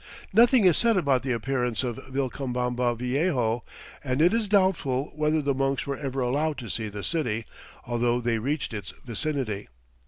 Nothing is said about the appearance of "Vilcabamba Viejo" and it is doubtful whether the monks were ever allowed to see the city, although they reached its vicinity.